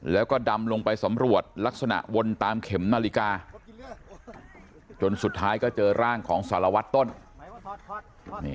แล้วก็ดำลงไปสำรวจลักษณะวนตามเข็มนาฬิกาจนสุดท้ายก็เจอร่างของสารวัตรต้น